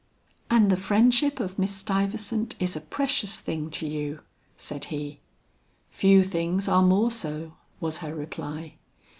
"And the friendship of Miss Stuyvesant is a precious thing to you?" said he. "Few things are more so," was her reply.